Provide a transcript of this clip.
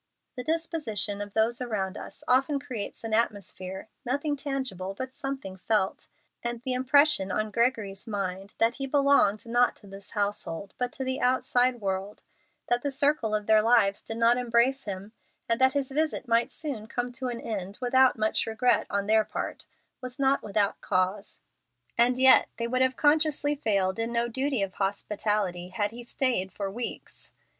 The disposition of those around us often creates an atmosphere, nothing tangible but something felt; and the impression on Gregory's mind, that he belonged not to this household, but to the outside world that the circle of their lives did not embrace him, and that his visit might soon come to an end without much regret on their part was not without cause. And yet they would have consciously failed in no duty of hospitality had he stayed for weeks.